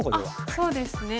そうですね。